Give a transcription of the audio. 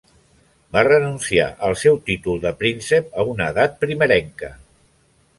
Va renunciar al seu títol de príncep a una edat primerenca.